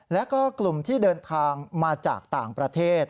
แล้วก็กลุ่มที่เดินทางมาจากต่างประเทศ